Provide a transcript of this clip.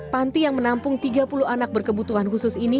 panti yang menampung tiga puluh anak berkebutuhan khusus ini